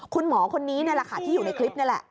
คุณหมอคนนี้นี่แหละค่ะที่อยู่ในคลิปนี่แหละ